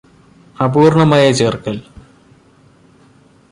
അപൂര്ണ്ണമായ ചേര്ക്കല്